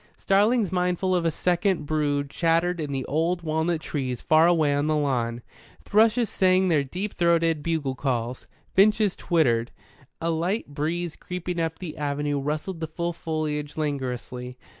Starlings mindful of a second brood chattered in the old walnut trees far away on the lawn; thrushes sang their deep throated bugle calls; finches twittered. A light breeze creeping up the avenue rustled the full foliage languorously.